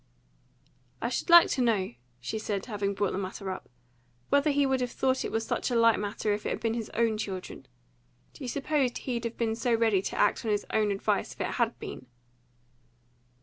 "I should like to know," she said, having brought the matter up, "whether he would have thought it was such a light matter if it had been his own children. Do you suppose he'd have been so ready to act on his own advice if it HAD been?"